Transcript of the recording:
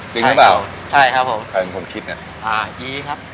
จริงหรือเปล่าใช่ครับผมใครเป็นคนคิดเนี้ยอ่าอีครับ